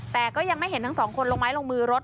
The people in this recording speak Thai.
แต่ก็ยังไม่เห็นทั้งสองคนลงไม้ลงมือรถ